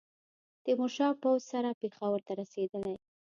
تېمورشاه پوځ سره پېښور ته رسېدلی.